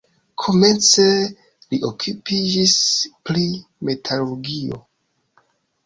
Komence li okupiĝis pri metalurgio.